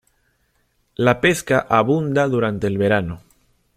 La pesca abunda durante el verano.